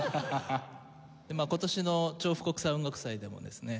今年の調布国際音楽祭でもですね